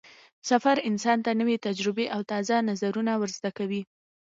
سفر انسان ته نوې تجربې او تازه نظرونه ور زده کوي